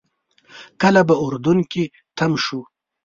کله به اردن کې تم شو.